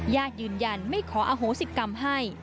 ญาติยืนยันไม่ขออโหสิกรรมให้